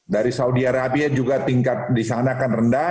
dari saudi arabia juga tingkat di sana akan rendah